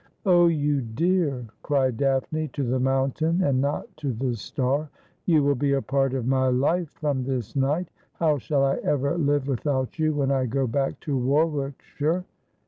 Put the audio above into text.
' Oh, you dear !' cried Daphne, to the mountain and not to the star ;' you will be a part of my life from this night. How shall I ever live without you when I go back to Warwick shire